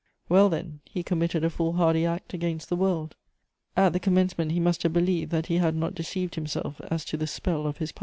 Well, then, he committed a fool hardy act against the world: at the commencement he must have believed that he had not deceived himself as to the spell of his power.